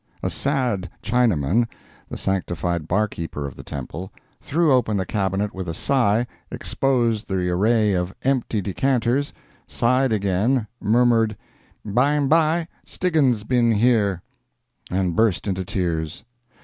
A sad Chinaman—the sanctified bar keeper of the temple—threw open the cabinet with a sigh, exposed the array of empty decanters, sighed again, murmured "Bymbye, Stiggins been here," and burst into tears.